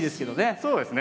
そうですね。